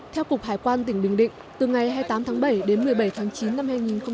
theo cục hải quan tỉnh bình định từ ngày hai mươi tám tháng bảy đến một mươi bảy tháng chín năm hai nghìn một mươi chín